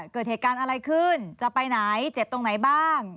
เกิดเหตุการณ์อะไรขึ้นจะไปไหนเจ็บตรงไหนบ้าง